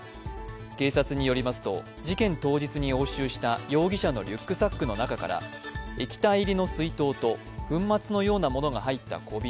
警察によりますと、事件当日に押収した容疑者のリュックサックの中から液体入りの水筒と粉末のようなものが入った小瓶